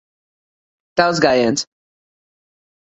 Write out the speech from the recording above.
Tavs gājiens.